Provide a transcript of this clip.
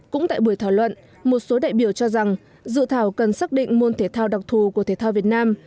cũng tại buổi thảo luận một số đại biểu cho rằng dự thảo cần xác định môn thể thao đặc thù của thể thao việt nam